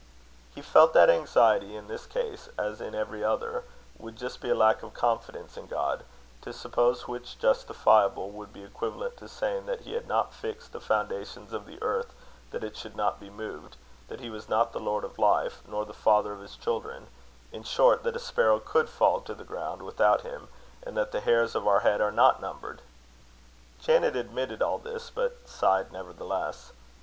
He felt that anxiety in this case, as in every other, would just be a lack of confidence in God, to suppose which justifiable would be equivalent to saying that He had not fixed the foundations of the earth that it should not be moved; that He was not the Lord of Life, nor the Father of His children; in short, that a sparrow could fall to the ground without Him, and that the hairs of our head are not numbered. Janet admitted all this, but sighed nevertheless.